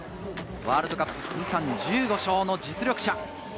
ワールドカップ通算１５勝の実力者。